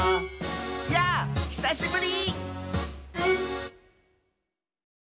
「やぁひさしぶり！」